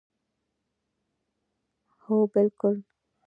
هو بلکل